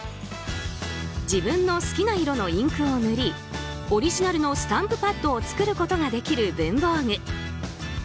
自分の好きな色のインクを塗りオリジナルのスタンプパッドを作ることができる文房具。